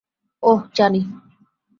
ওহ, জানি।